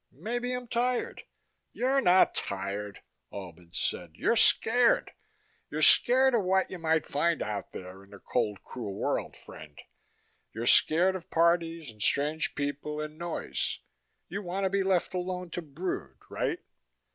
"Maybe I'm tired." "You're not tired," Albin said. "You're scared. You're scared of what you might find out there in the cold, cruel world, friend. You're scared of parties and strange people and noise. You want to be left alone to brood, right?"